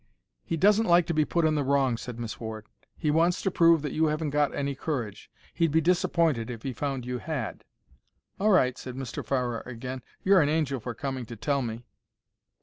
"He doesn't like to be put in the wrong," said Miss Ward. "He wants to prove that you haven't got any courage. He'd be disappointed if he found you had." "All right," said Mr. Farrer again. "You're an angel for coming to tell me."